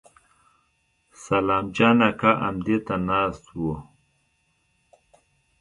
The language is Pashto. سلام جان اکا امدې ته ناست و.